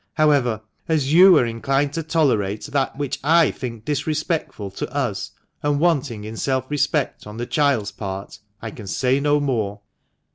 However, as you are inclined to tolerate that which I think disrespectful to us, and wanting in self respect on the child's part, I can say no more."